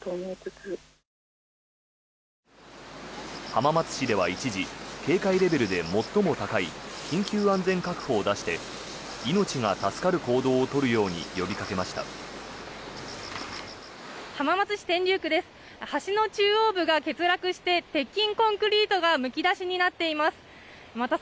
浜松市では一時警戒レベルで最も高い緊急安全確保を出して命が助かる行動を取るように呼びかけました。